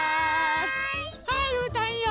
はいうーたんいいよ。